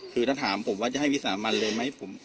คือถ้าถามผมว่าจะให้วิสามันเลยไหม